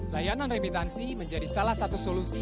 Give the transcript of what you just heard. layanan remitansi menjadi salah satu solusi